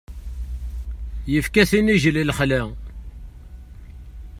Ifka-t inijjel i lexla.